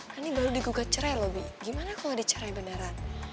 kan ini baru digugat cerai lobi gimana kalau dicerai beneran